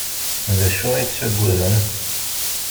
D acu ay ttaggaden?